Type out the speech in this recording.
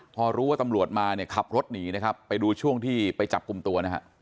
พอรู้ว่าตำรวจมาขับรถหนีไปดูช่วงที่ไปจับกลุ่มตัว